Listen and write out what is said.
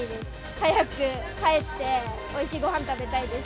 早く帰って、おいしいごはん食べたいです。